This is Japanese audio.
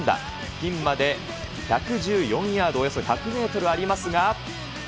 ピンまで１１４ヤード、およそ１００メートルありますが。